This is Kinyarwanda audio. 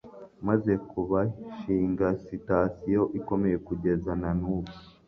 maze bahashinga sitasiyo ikomeye kugeza na n'ubu.